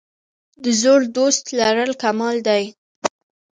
د زوړ دوست لرل کمال دی.